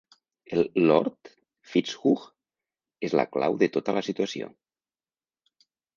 El lord Fitzhugh és la clau de tota la situació.